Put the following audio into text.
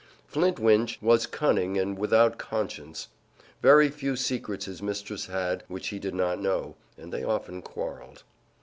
Flintwinch was cunning and without conscience. Very few secrets his mistress had which he did not know, and they often quarreled.